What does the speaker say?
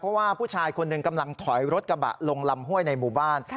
เพราะว่าผู้ชายคนหนึ่งกำลังถอยรถกระบะลงลำห้วยในหมู่บ้าน